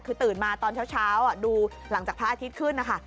คือตื่นมาตอนเช้าดูหลังจากพระอาทิตย์ขึ้นนะคะ